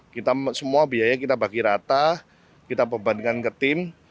kita semua biaya kita bagi rata kita perbandingkan ke tim